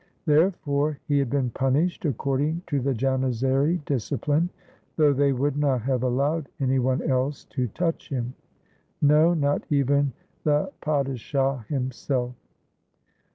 Therefore he had been punished according to the Jan izary discipUne; though they would not have allowed any one else to touch him — no, not even the padishah himself.